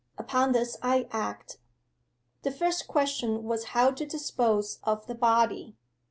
'Upon this I acted. 'The first question was how to dispose of the body.